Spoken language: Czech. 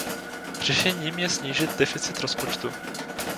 Řešením je snížit deficit rozpočtu.